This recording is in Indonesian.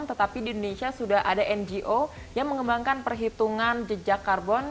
tetapi di indonesia sudah ada ngo yang mengembangkan perhitungan jejak karbon